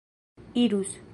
irus